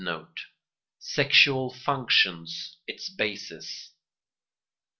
[Sidenote: Sexual functions its basis.